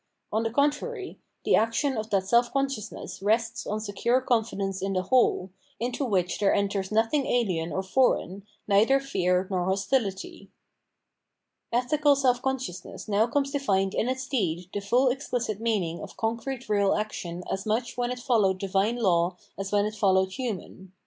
On the contrary, the action of that self consciousness rests on secure confidence in the whole, into which there enters nothing ahen or foreign, neither fear nor hostility. Ethical self consciousness now comes to find in its deed the full exphcit meaning of concrete real action as much when it followed divine law as when it followed human.